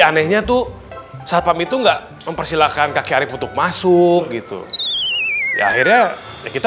anehnya tuh satpam itu enggak mempersilahkan kakek arief untuk masuk gitu ya akhirnya kita